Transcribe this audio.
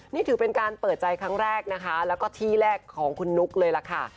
นี่ถือเป็นการเปิดใจครั้งแรกนะคะแล้วก็ที่แรกของคุณนุ๊กเลยล่ะค่ะ